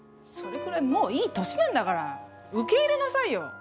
それくらいもういい年なんだから受け入れなさいよ。